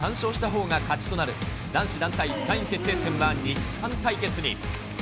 先に３勝したほうが勝ちとなる、男子団体３位決定戦は日韓対決に。